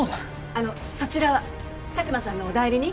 あのそちらは佐久間さんの代理人？